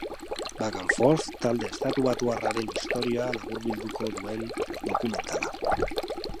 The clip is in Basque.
Back and forth, talde estatubatuarraren historia laburbilduko duen dokumentala.